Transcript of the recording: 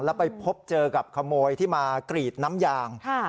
แล้วไปพบเจอกับขโมยที่มากรีดน้ำยาง